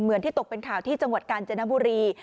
ที่ตกเป็นข่าวที่จังหวัดกาญจนบุรี